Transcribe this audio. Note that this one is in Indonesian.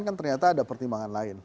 kan ternyata ada pertimbangan lain